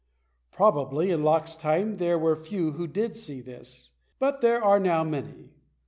" Probably in Locke's time there were few who did see this ; but there are now many.